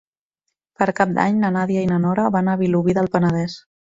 Per Cap d'Any na Nàdia i na Nora van a Vilobí del Penedès.